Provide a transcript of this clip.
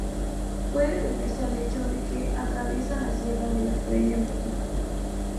Puede deberse al hecho de que atraviesa la sierra de la Estrella en Portugal.